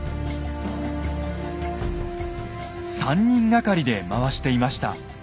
３人がかりで回していました。